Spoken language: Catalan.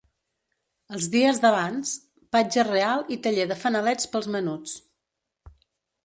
Els dies d'abans: patge real i taller de fanalets pels menuts.